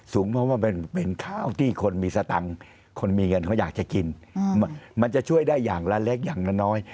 เพราะว่าเป็นข้าวที่คนมีสตังค์คนมีเงินเขาอยากจะกินมันจะช่วยได้อย่างละเล็กอย่างละน้อย